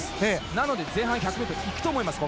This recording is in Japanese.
なので、前半１００ｍいくと思います。